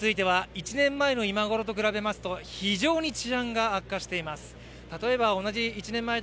このニューヨークについては１年前の今ごろと比べますと非常に治安が悪化しています。